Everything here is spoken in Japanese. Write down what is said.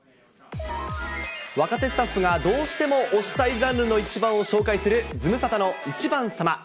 若手スタッフがどうしても推したいジャンルの１番を紹介する、ズムサタの１番さま。